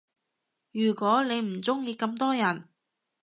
如果你唔鐘意咁多人